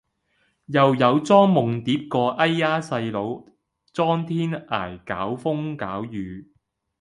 又有莊夢蝶個哎呀細佬莊天涯搞風搞雨